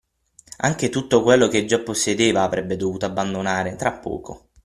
Anche tutto quello che già possedeva avrebbe dovuto abbandonare, tra poco.